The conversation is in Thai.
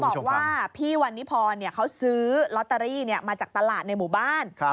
บอกว่าพี่วันนิพรเขาซื้อลอตเตอรี่มาจากตลาดในหมู่บ้าน